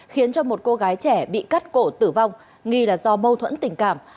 khiến cho một cô gái trẻ bị cắt cổ tử vong nghi là do mâu thuẫn tình cảm